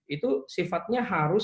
itu sifatnya harus